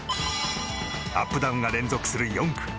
アップダウンが連続する４区。